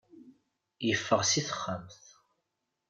Yeffeɣ si texxamt.